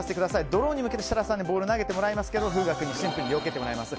ドローンに向けて設楽さんにはボールを投げていただきますが風雅君にシンプルによけてもらいます。